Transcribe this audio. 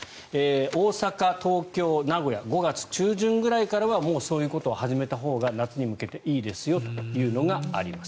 大阪、東京、名古屋５月中旬ぐらいからはもうそういうことを始めたほうが夏に向けていいですよというのがあります。